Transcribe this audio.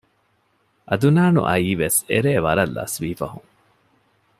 އަދުނާނު އައީވެސް އެރޭ ވަރަށް ލަސްވީ ފަހުން